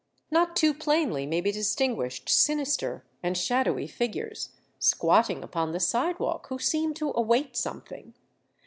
Not too plainly may be distinguished sinister and shadowy figures, squatting upon the sidewalk, who seem to await something.